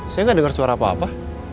saya gak denger suara apa apa